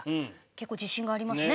結構自信がありますね。